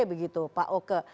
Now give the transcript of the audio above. ya begitu pak oke